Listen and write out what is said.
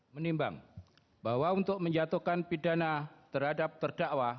menimbang bahwa untuk menjatuhkan pidana terhadap terdakwa